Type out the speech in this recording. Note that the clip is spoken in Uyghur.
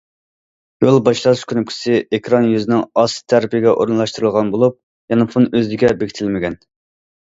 يول باشلاش كۇنۇپكىسى ئېكران يۈزىنىڭ ئاستى تەرىپىگە ئورۇنلاشتۇرۇلغان بولۇپ، يانفون ئۆزىگە بېكىتىلمىگەن.